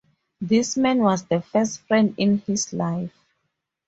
This man was the first friend in his life.